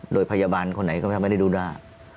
โดยพยาบาลคนไหนก็แทบไม่ได้ดูหน้า